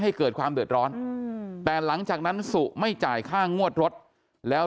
ให้เกิดความเดือดร้อนแต่หลังจากนั้นสุไม่จ่ายค่างวดรถแล้ว